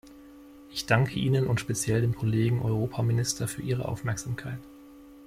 Ich danke Ihnen und speziell dem Kollegen Europaminister für Ihre Aufmerksamkeit.